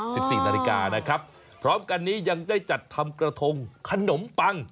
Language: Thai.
สิบสี่นาฬิกานะครับพร้อมกันนี้ยังได้จัดทำกระทงขนมปัง